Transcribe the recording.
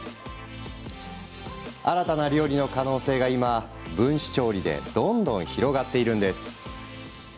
新たな料理の可能性が今、分子調理でどんどん広がっているんです。